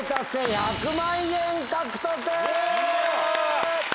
１００万円獲得！